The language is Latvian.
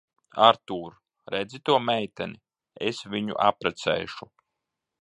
Artūr, redzi to meiteni? Es viņu apprecēšu.